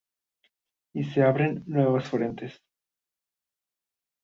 Y se abren nuevos frentes.